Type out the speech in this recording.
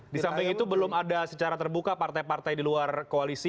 di samping itu belum ada secara terbuka partai partai di luar koalisi